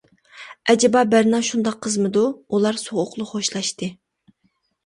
ئەجەبا بەرنا شۇنداق قىزمىدۇ؟ ئۇلار سوغۇقلا خوشلاشتى.